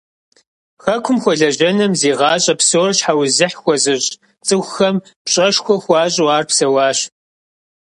Хэкум хуэлэжьэным зи гъащӀэ псор щхьэузыхь хуэзыщӀ цӀыхухэм пщӀэшхуэ хуащӀу ар псэуащ.